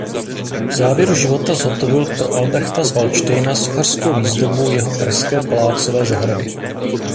V závěru života zhotovil pro Albrechta z Valdštejna sochařskou výzdobu jeho Pražské palácové zahrady.